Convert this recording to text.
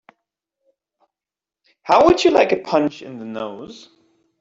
How would you like a punch in the nose?